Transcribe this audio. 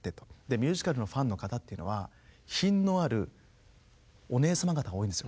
ミュージカルのファンの方っていうのは品のあるおねえさま方が多いんですよ。